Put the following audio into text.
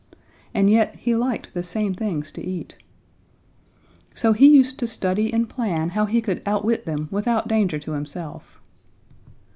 And yet he liked the same things to eat. "So he used to study and plan how he could outwit them without danger to himself.